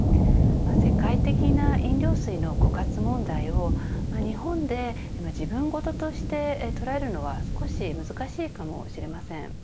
世界的な飲料水の枯渇問題も日本で自分事として捉えるのは少し難しいかもしれません。